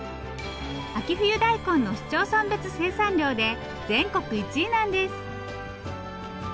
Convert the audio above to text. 秋冬大根の市町村別生産量で全国１位なんです。